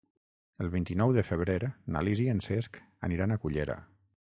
El vint-i-nou de febrer na Lis i en Cesc aniran a Cullera.